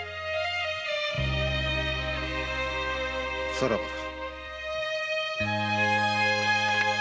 さらばだ。